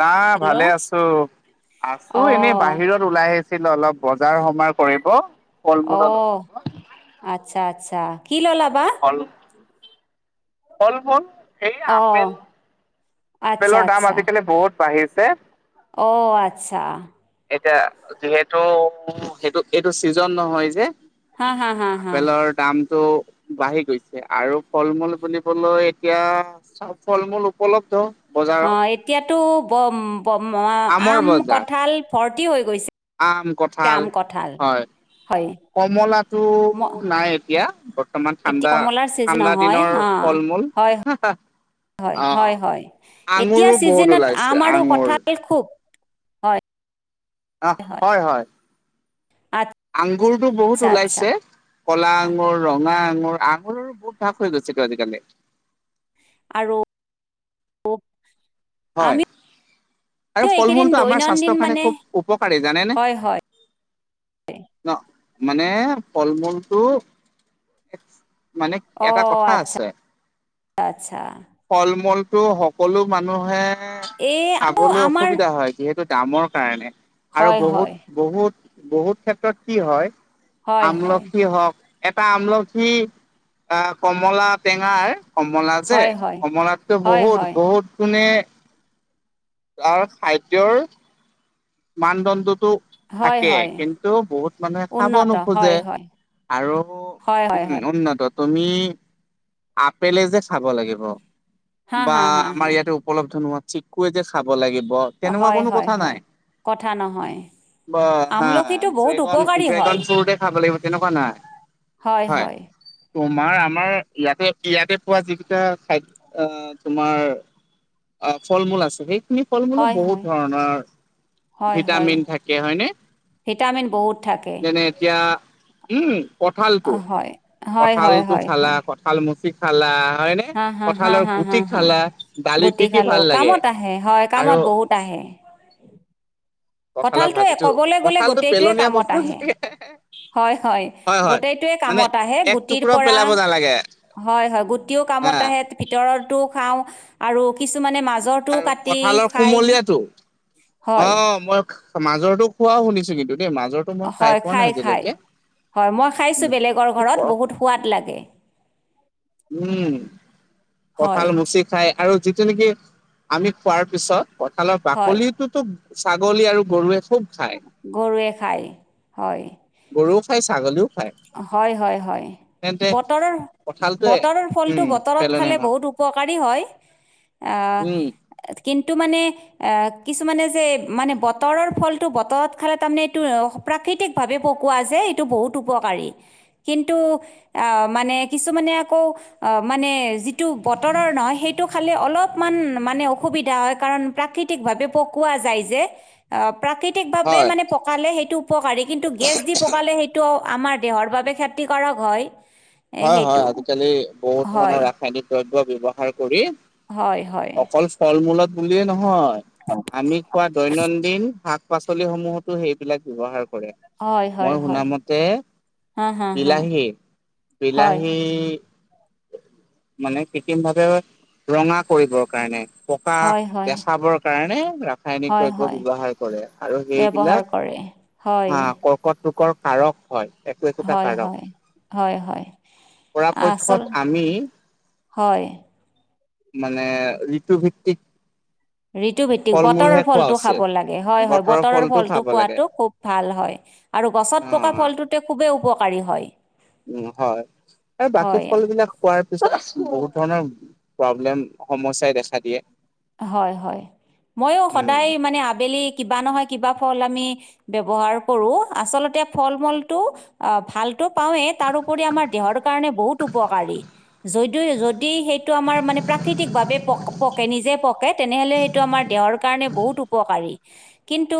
নাই ভালে হেল্ল' আছো, আছো অ এনে বাহিৰত ওলাই আহিছিলো, অলপ বজাৰ সমাৰ কৰিব ফল মূল অলপ অ', ল'ব। আচ্ছা, আচ্ছা, কি ললা বা- [unintelligible] ফল, ফল, সেই অ আপেল আচ্ছা আপেলৰ দাম আচ্ছা আজিকালি বহুত বাঢ়িছে অ', আচ্ছা এতিয়া, যিহেতু সেইটো এইটো ছিজন নহয় যে হা হা হা হা আপেলৰ দামতটো বাঢ়ি গৈছে আৰু ফল মূল বুলিবলৈ এতিয়া। চাওঁ ফল মূল উপলব্ধ। বজাৰত অ' এতিয়াতো আমৰ আম বজাৰ কঁঠাল ভৰ্তি হৈ গৈছে। আম কঁঠাল আম কঁঠাল হয়। হয় কমলাটো ম নাই এতিয়া। বৰ্তমান এতিয়া ঠাণ্ডা কমলাৰ চিজন ঠাণ্ডা নহয় দিনৰ হা ফল মূল। হয় হয় হয় অ' হয় এতিয়া আঙুৰো বহুত ছিজনত আম ওলাইছে, আৰু আঙুৰ। কঁঠাল খুব হয় অ' হয়, হয়। আঠ আংগুৰতটো বহুত ওলাইছে। কলা আঙুৰ, ৰঙা আঙুৰ আঙুৰৰো বহুত ভাগ হৈ গৈছে আজিকালি। আৰু হয়। আমিও আৰু ফল এইকেইদিন মূলটো আমাৰ দৈনন্দিন স্বাস্থ্য কাৰণে মানে খুব উপকাৰী জানেনে। হয় হয় ন মানে ফল মূলটো। মানে অ এটা কথা আচ্ছা আছে। আচ্ছা ফল মূলতটো সকলো মানুহে এই আকৌ খাবলৈ আমাৰ অসুবিধা হয়, যিহেতু। দামৰ কাৰণে আৰু হয় বহুত হয় বহুত বহুত ক্ষেত্ৰত কি হয়। হয় হয় আমলখি হওঁক, এটা আমলখি আহ কমলা টেঙাৰ। কমলা যে হয় হয় কমলাততো হয় বহুত হয় বহুত গুনে তাৰ খাদ্যৰ মানদণ্ডটো। হয় থাকে, হয় কিন্তু বহুত মানুহে খাব উন্নত হয় নোখোজে। হয় আৰু হয় হয় উম, হয় উন্নতত। তুমি আপেলে যে চাব লাগিব হা বা হা হা হা আমাৰ ইয়াতে। উপলব্ধ নোহোৱা চিকুৱে যে খাব লাগিব। তেনেকুৱা হয় কোনো হয় কথা হয় নাই। কথা নহয়। ব হা আমলখিটো বহুত ড্ৰেগন উপকাৰী হয় ড্ৰেগন ফুডে খাব লাগিব তেনেকুৱা নহয়। হয়, হয়। তোমাৰ আমাৰ ইয়াতে ইয়াতে পোৱা যিকিটা খাদ্য তোমাৰ। অ' ফল মূল আছে, সেইখিনি ফল মূলো হয় বহুত হয় ধৰণৰ। হয় হয় ভিটামিন থাকে হয়নে, ভিটামিন বহুত থাকে যেনে এতিয়া উম, কঁঠাল অ, টো হয় হয় কঁঠাল হয় টো হয় খালা হয় কঠ কঁঠাল মুচি খালা হয় নে। হা, হা, হা, হা, হা, হা দালিত দি গুটি কি ভাল খালোঁ, লাগে কামত আহে হয়, কামত আৰু বহুত আহে। কঁঠালৰ কঁঠালটো ভাজিটো ক'বলৈ গ'লে কঁঠালটো গোটেইটোৱে পেলনীয়া কামত বস্তু আহে। চাগে হয়, হয় হয় গোটেইটোৱে মানে কামত আহে এক গুটিৰ টুকুৰাও পৰা। পেলাব নালাগে হয়, হয় গোটিও হা কামত আহে, ভিতৰতো খাওঁ আৰু কিছুমানে মাজৰ টো আৰু কাটি কঁঠালৰ খাই। কুমলীয়াটো অ' মই মাজৰতো খোৱাও শুনিছোঁ কিন্তু। দেই মাজৰটো মই হয় পোৱা নাই খাই, খাই, আজিলৈকে হয়, মই খাইছোঁ উম বেলেগৰ ঘৰত বহুত সোৱাদ লাগে। উম, হয় কঁঠাল মুচি খাই আৰু যিটো নেকি আমি খোৱাৰ পিছত। কঁঠালৰ হয় বাকলিটোতো ছাগলী আৰু গৰুৱে খোব খায়। গৰুৱে খায় হয়। গৰুও খাই ছাগলীও। খায় হয়, হয়, হয় তেন্তে বতৰৰ। কঁঠালটোৱে বতৰৰ ফলটো উম বতৰত পেলনীয়া খালে নহয় বহুত উপকাৰী হয় আহ। উম কিন্তু মানে। আহ, কিছুমানে যে মানে বতৰৰ ফলটো বতৰত খালে তাৰমানে এইটো। প্ৰাকৃতিকভাৱে পকোৱা যে এইটো বহুত উপকাৰী কিন্তু। আহ, মানে কিছুমানে আকৌ। মানে যিটো বতৰৰ নহয় সেইটো খালে অলপমান মানে অসুবিধা হয় কাৰণ প্ৰাকৃতিক ভাৱে পকোৱা যায় যে। অ', প্ৰাকৃতিকভাৱে হয় মানে পকালে সেইটো উপকাৰী কিন্তু গেছ দি পকালে সেইটো আমাৰ দেহৰ বাবে খেতি কৰক হয়। এ, হয়, হয়, সেইটো আজিকালি বহুত হয় ধৰণৰ ৰাসায়নিক দ্ৰব্য ব্যবহাৰ কৰি হয়, হয়। অকল ফল মূলত বুলিয়েই নহয় [unintelligible] আমি খোৱা দৈনন্দিন শাক পাচলিসমূহতো সেইবিলাক ব্যবহাৰ কৰে। হয় হয় হয় মই হয় শুনামতে হা হা হা বিলাহী হয় বিলাহী মানে কৃত্ৰিম ভাৱে ৰঙা কৰিবৰ কাৰণে পকা হয় হয় বেচাব কাৰণে ৰাসায়নিক হয় দ্ৰব্য হয় ব্যৱহাৰ কৰে আৰু ব্যৱহাৰ সেইবিলাক কৰে হয় হা [unintelligible] কাৰক। হয় একো একোটা হয়, কাৰক হয়, হয়, হয়। আচল পৰাপক্ষত আমি হয় মানে ঋতু ভিত্তিক ঋতুভিত্তিক বতৰৰ খোৱা ফলটো উচিত খাব লাগে হয়, হয়, বতৰৰ ফলটো খোৱাটো খুব ভাল হয়। আৰু অ গছত পকা ফলটোতে খুবেই উপকাৰী হয়। উম, হয়, এই বাকী হয় ফল বিলাক খোৱাৰ পিছত বহুত ধৰণৰ প্ৰব্লেম সমস্যাই দেখা দিয়ে। হয়, হয়, মইয়ো উম সদায় মানে আবেলি কিবা নহয় কিবা ফল আমি ব্যৱহাৰ কৰো আচলতে ফল মূলটো অ', ভালটো পাওঁৱেই তাৰপৰি আমাৰ দেহৰ কাৰণে বহুত উপকাৰী। যইদিও যদি সেইটো আমাৰ মানে প্ৰাকৃতিক ভাৱে প পকে নিজে পকে তেনেহলে সেইটো আমাৰ দেহৰ কাৰণে বহুত উপকাৰী কিন্তু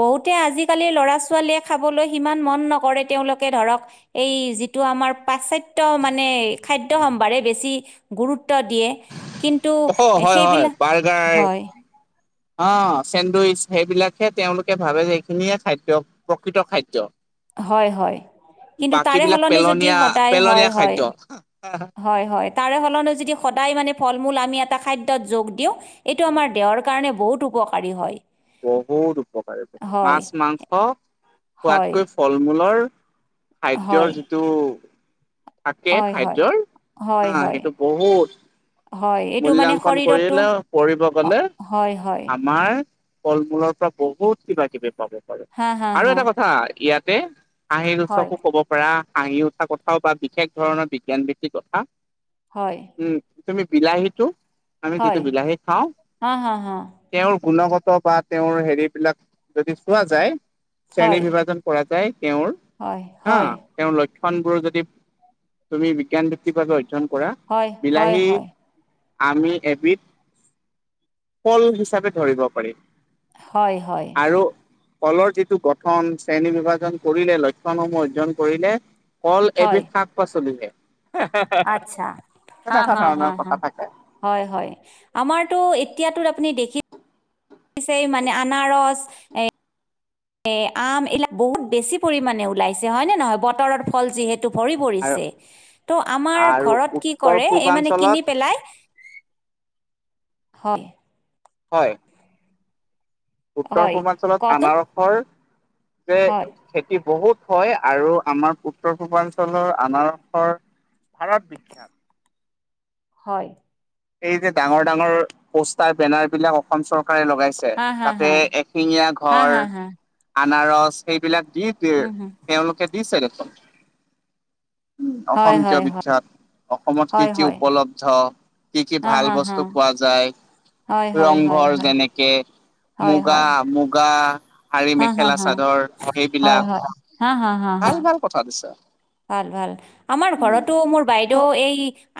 বহুতে আজিকালিৰ ল'ৰা ছোৱালীয়ে খাবলৈ সিমান মন নকৰে তেওঁলোকে ধৰক এই যিটো আমাৰ পাশ্চাত্য মানে খাদ্য সম্ভাৰে বেছি গুৰুত্ব দিয়ে কিন্তু সেইবিলাক গাই হয়, অ', চেণ্ডুইচ। সেইবিলাকহে তেওঁলোকে ভাবে যে এইখিনিয়ে খাদ্য প্ৰকৃত খাদ্য। হয়, হয়। কিন্তু বাকী তাৰে বিলাক সলনি যদি পেলনীয়া সদায় হয়, পেলনীয়া হয়, খাদ্য। হয়, হয়, তাৰে সলনি যদি সদায় মানে ফল মূল আমি এটা খাদ্যত যোগ দিওঁ এইটো আমাৰ দেহৰ কাৰণে বহুত উপকাৰী হয়। বহুত উপকাৰী হয়, মাছ মাংস হয়, খোৱাতকৈ ফল মূলৰ হয়, খাদ্যৰ যিটো থাকে হয়, হয়। খাদ্যৰ হয়, হা হয়, সেইটো বহুত হয়, এইটো মানে মূল্যাংকন শৰীৰতো কৰিলে কৰিব অ- গ'লে হয়, হয়, আমাৰ ফল মূলৰ পৰা বহুত কিবা কিবি পাব। হা, হা, আৰু হা, এটা কথা ইয়াতে হাঁহিৰ হয়, উৎচসকো ক'ব পৰা হাঁহি উঠা কথাও বা বিশেষ ধৰণৰ বিজ্ঞান বৃত্তিৰ কথা হয়। উম, তুমি বিলাহীটো আমি হয়, যিটো বিলাহী খাওঁ হা, হা, হা, তেওঁৰ গুণগত বা তেওঁৰ হেৰি বিলাক যদি চোৱা যায় শ্ৰেণী হয়, বিভাজন কৰা যায় তেওঁৰ হয়, হা হয়, তেওঁৰ লক্ষণবোৰ যদি তুমি বিজ্ঞানভিত্তিক ভাৱে অধ্যয়ন কৰা হয়, হয়, বিলাহী হয়। আমি এবিধ ফল হিচাপে ধৰিব পাৰিম। হয়, হয়। আৰু কলৰ যিটো গঠন শ্ৰেণী বিভাজন কৰিলে লক্ষণসমূহ অৰ্জন কৰিলে। কল হয়, এবিধ শাক পাচলি হে। আচ্ছা, হা, তেনেকুৱা হা, হা, ধৰণৰ হা। কথা থাকে। হয়, হয় আমাৰতো এতিয়াতোত আপুনি দেখি ছেই মানে আনাৰস এ এ আম এইবিলাক বহুত বেছি পৰিমানে ওলাইছে হয় নে নহয় বতৰৰ ফল যিহেতু। যিহেতু ভৰি আৰু পৰিছে ত' আমাৰ আৰু ঘৰত কি উত্তৰ কৰে এই মানে কিনি পূৰ্বাঞ্চলত পেলাই। হয়। হয়। উত্তৰ হয় পূৰ্বাঞ্চলত কওকচোন আনাৰসৰ যে হয় খেতি বহুত হয় আৰু আমাৰ উত্তৰ পূৰ্বাঞ্চলৰ আনাৰসৰ ভাৰত বিখ্যাত। হয়। এই যে ডাঙৰ ডাঙৰ পোষ্টাৰ বেনাৰবিলাক অসম চৰকাৰে লগাইছে। হা হা তাতে হা এশিঙীয়া হা গঁড়ৰ। হা হা আনাৰস সেইবিলাক দি উম হম তেওঁলোকে দিছে দেখোন। হয় অসম হয় কিয় হয় বিখ্যাত অসমত কি হয় কি হয় উপলব্ধ। কি কি হা ভাল হা হা বস্তু পোৱা যায় হয় হয় হয় ৰংঘৰ হয় যেনেকে হয় মুগা হয় মুগা। শাৰী হা হা মেখেলা হা চাদৰ হয় এইবিলাক হয় হা হা হা হা ভাল ভাল কথা দিছে। ভাল ভাল আমাৰ ঘৰতো মোৰ বাইদেউ এই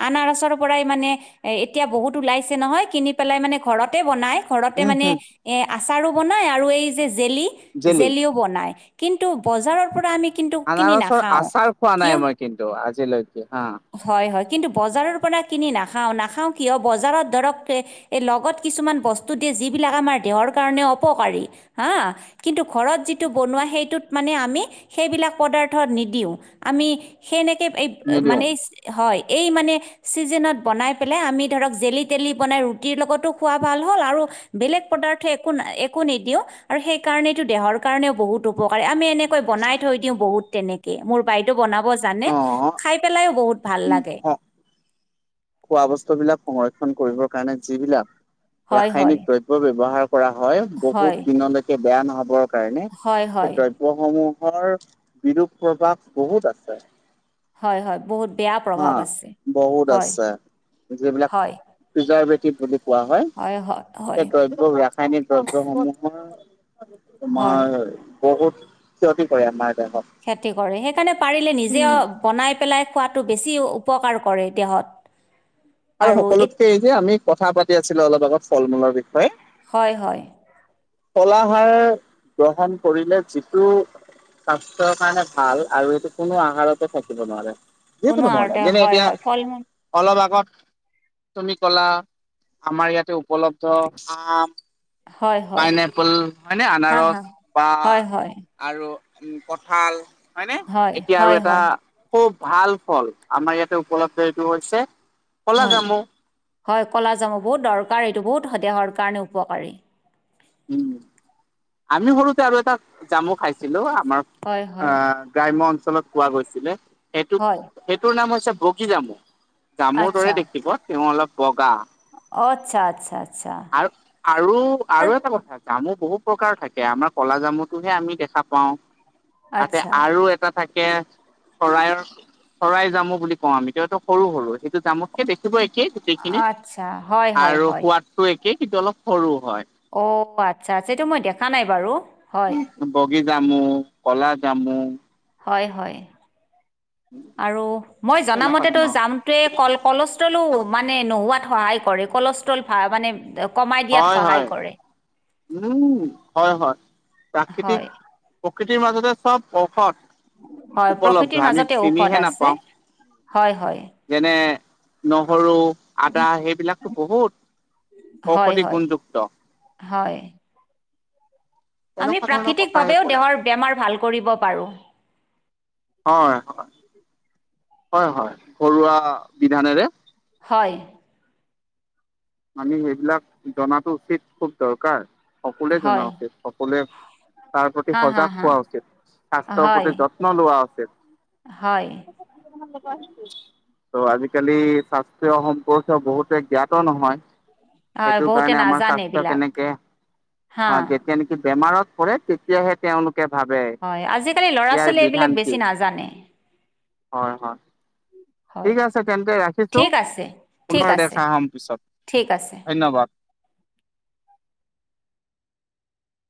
আনাৰসৰ পৰাই মানে এ এতিয়া বহুত ওলাইছে নহয় কিনি পেলাই মানে ঘৰতে বনাই। ঘৰতে উম মানে হম এ আচাৰো বনাই আৰু এই যে জেলি জেলি জেলিও বনাই কিন্তু বজাৰৰ পৰা আমি কিন্তু আনাৰসৰ নাখাওঁ। আচাৰ খোৱা নাই কিয় মই কিন্তু আজিলৈকে হা। হয়, হয় কিন্তু বজাৰৰ পৰা কিনি নাখাওঁ। নাখাওঁ কিয় বজাৰত ধৰক এই লগত কিছুমান বস্তু দিয়ে যিবিলাক আমাৰ দেহৰ কাৰণে অপকাৰী হা। কিন্তু ঘৰত যিটো বনোৱা সেইটোত মানে আমি সেইবিলাক পদাৰ্থ নিদিওঁ। আমি সেনেকে এই নিদিওঁ। মানে হয়, এই মানে চিজনত বনাই পেলাই আমি ধৰক জেলি তেলি বনাই ৰুটিৰ লগতো খোৱা ভাল হ'ল আৰু বেলেগ পদাৰ্থ একো একো নিদিও আৰু সেই কাৰণটো দেহৰ কাৰণেও বহুত উপকাৰী। আমি তেনেকৈ বনাই থৈ দিওঁ বহুত তেনেকে মোৰ বাইদেউ বনাব জানে অ খাই পেলাই বহুত ভাল লাগে। খোৱা বস্তুবিলাক সংৰক্ষণ কৰিবৰ কাৰণে যিবিলাক হয়, হয়, ৰাসায়নিক দ্ৰব্য ব্যৱহাৰ কৰা হয় হয়, বহুত দিনলৈকে বেয়া নহ'বৰ কাৰণে হয়, হয়, সেই দ্ৰব্য সমূহৰ বিৰূপ প্ৰভাব বহুত আছে। হয়, হয় বহুত। বেয়া হা, প্ৰভাৱ আছে। বহুত হয়, আছো যিবিলাক হয়, পিজাৰবেটিব বুলি কোৱা হয়, হয়, হয়, সেই দ্ৰব্য ৰাসায়নিক দ্ৰব্যসমূহৰ হয়, তোমাৰ বহুত ক্ষতি কৰে আমাৰ দেহত। ক্ষতি কৰে। সেইকাৰণে পাৰিলে নিজে উম। বনাই পেলাই খোৱাটো বেছি উপকাৰ কৰে দেহত। আৰু সকলোতকে এই যে আমি কথা পাতি আছিলো অলপ আগত ফল মূলৰ বিষয়ে। হয়, হয়। কলা খাৰ গ্ৰহণ কৰিলে যিটো স্বাস্থ্যৰ কাৰণে ভাল আৰু এইটো কোনো আহাৰতো থাকিব নোৱাৰে। কোনো যিকোনো ধৰণৰ আৰতে যেনে হয়, এতিয়া হয়, ফল মূল অলপ আগতম কলা আমাৰ ইয়াতে উপলব্ধ আম। হয়, হয়, পাইনাএপল মানে হা, আনাৰস হা, বা হয়, হয়, আৰু কঁঠাল। হয়নে হয়, এতিয়া আৰু হয়, এটা হয়, খুব ভাল ফল আমাৰ ইয়াতে উপলব্ধ এইটো হৈছে কলা হয়, জামু হয় ক'লাাজামুক বহুত দৰকাৰ এইটো বহুত দেহৰ কাৰণে উপকাৰী। উম আমি সৰুতে আৰু এটা জামু খাইছিলো আমাৰ হয়, হয়, আহ গ্ৰাম্্য অঞ্চলত পোৱা গৈছিলে সেইটোোক'। হয়, সেইটোৰ নাম হৈছে বগী জামু জামুৰ দৰে আচ্ছা। দেখিব তেওঁ অলপ বগা আচ্ছা, আচ্ছা, আচ্ছা। আৰু, আৰু, আৰু এটা কথা জামু বহুত প্ৰকাৰৰ থাকে আমাৰ কলা জামুতোহে আমি দেখা পাও তাতে আচ্ছা, আৰু থাকে'। চৰাইৰ শৰাই জামু বুলি কওঁ আমি তহতো সৰু সৰু সেইটো জামুতকে দেখিব একেই'। গোটেইখিনিত আচ্ছা, হয়, হয়, আৰু হয়। সোৱাদটো একে সেইু অলপ সৰু হয় অঁ আচ্ছা আচ্ছটো মই দেখা নাই বাৰু হয়,। বগিজামু কলা জামু,। হয় হয় আৰু মই তেনেকুৱা জনামতেতো ধৰণৰ যাম তোৱে ক কলেষ্ট্ৰলো মানে নোহোৱাত সহায় কৰে কলেষ্ট্ৰল ভ মানে,। কমাই দিয়াত হয় সহায় হয় কৰে। উ হয় হয় প্ৰাকৃতিক হয়, প্ৰকৃতিৰ মাজতে চব হয়, ঔষধ উপলব্ধ প্ৰকৃতিৰ আমি মাজতে ঔষধ চিমিহে আছে, নাপাওঁ হয়, হয় যেনে নহৰু, আদা সেইবিলাকতো বহুত। হয়, ঔষধি হয়, গুণযুক্ত। হয় আমি তেনেকুৱা ধৰণৰ কথা আহি প্ৰাকৃতিকভাৱেও পৰে। দেহৰ বেমাৰ ভাল কৰিব পাৰোঁ। হয়, হয় হয়, হয় ঘৰুৱা বিধানেৰে হয়, আমি সেইবিলাক জননাাতো উচিত খুব দৰকাৰ, সকলোৱে জনা হয়, উচিত। সকলোৱে তাৰ প্ৰতি হা, হা, সজাগ হা, হোৱা উচিত স্বাস্থ্যৰ হয়, প্ৰতি যত্ন লোৱা উচিত। হয়,। মোক আছো'। ত' আজিকালি স্বাস্থয় সম্পৰ্কে বহুতে জ্ঞাত নহয়,। হয় সেইটো বহুতে কাৰণে আমাৰ নাজানে স্বাস্থ্য এইবিলাক কেনেকে হা অ যেনেকি বেমাৰত পৰে তেতিয়াহে তেওঁলোকে ভাবে ইয়াৰ বিধান কি! াজানে,। হয়, হয় হয় ঠিক আছে তেন্তকে ৰাখিছো ঠিক আছে ঠিক পুনৰ আছে দেখা হম পিছত ঠিক আছে ধন্যবাদ